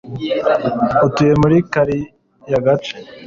utuye muri kariya gace